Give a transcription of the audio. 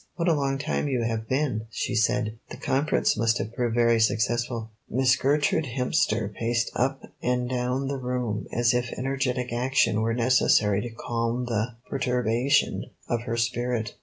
"What a long time you have been," she said; "the conference must have proved very successful." Miss Gertrude Hemster paced up and down the room as if energetic action were necessary to calm the perturbation of her spirit.